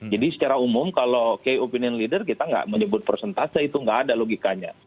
jadi secara umum kalau key opinion leader kita nggak menyebut persentase itu nggak ada logikanya